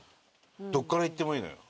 どこから行ってもいいのよ。